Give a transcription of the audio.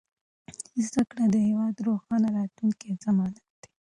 زده کړه د هېواد د روښانه راتلونکي ضمانت دی.